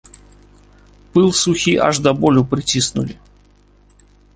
Пыл сухі аж да болю прыціснулі.